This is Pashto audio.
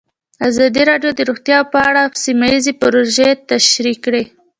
ازادي راډیو د روغتیا په اړه سیمه ییزې پروژې تشریح کړې.